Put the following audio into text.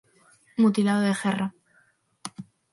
Mutilado de guerra.